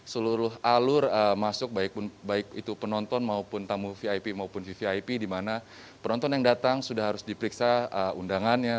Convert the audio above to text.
seluruh alur masuk baik itu penonton maupun tamu vip maupun vvip di mana penonton yang datang sudah harus diperiksa undangannya